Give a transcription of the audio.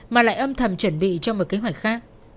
mà lại âm thầm chuẩn bị cho một kế hoạch khác